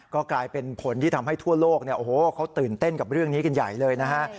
ก็กลายเป็นผลที่ทำให้ทั่วโลกเนี่ยโอ้โหเขาตื่นเต้นกับเรื่องนี้กันใหญ่เลยนะฮะ